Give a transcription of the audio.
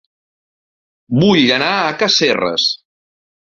Vull anar a Casserres